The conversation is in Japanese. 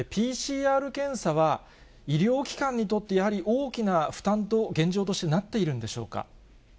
ＰＣＲ検査は、医療機関にとって、やはり大きな負担と、現状としてなっているんでしょうか。